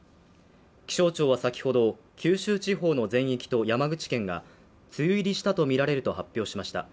気象庁は先ほど九州地方の全域と山口県が梅雨入りしたとみられると発表しました